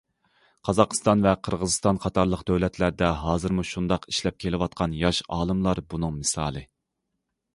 قازاقىستان ۋە قىرغىزىستان قاتارلىق دۆلەتلەردە ھازىرمۇ شۇنداق ئىشلەپ كېلىۋاتقان ياش ئالىملار بۇنىڭ مىسالى.